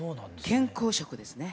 健康食ですね。